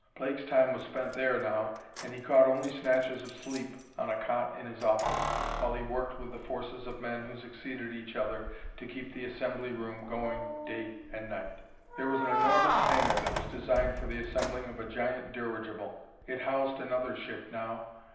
Blake's time was spent there now, and he caught only snatches of sleep on a cot in his office, while he worked with the forces of men who succeeded each other to keep the assembly room going night and day. There was an enormous hangar that was designed for the assembling of a giant dirigible; it housed another ship now.